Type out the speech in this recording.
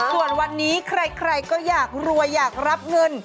ส่วนวันนี้ใครก็อยากรวยอยากรับเงิน